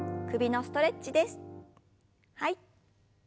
はい。